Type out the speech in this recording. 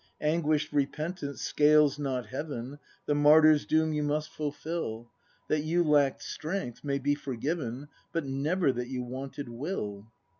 Anguish'd repentance scales not heaven. The martyr's doom you must fulfil. ACT III] BRAND 109 That you lack'd strength may be forgiven, — But never that you wanted will.